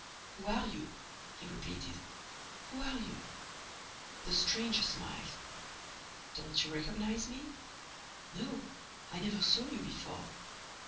"Who are you?" he repeated. "Who are you?" The stranger smiled: "Don't you recognize me?" "No, I never saw you before."